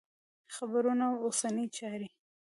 خبرونه او اوسنۍ چارې